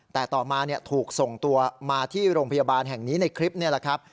แต่ต่อมาถูกส่งตัวมาที่โรงพยาบาลแห่งนี้ในคลิปนี่แหละครับ